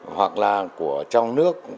hoặc là của trong nước